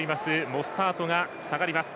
モスタートが下がります。